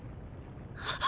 あっ！